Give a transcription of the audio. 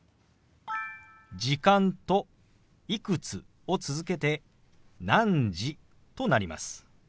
「時間」と「いくつ」を続けて「何時」となります。